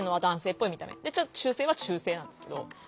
中性は中性なんですけど。